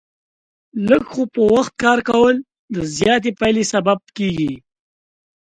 لږ خو په وخت کار کول، د زیاتې پایلې سبب کېږي.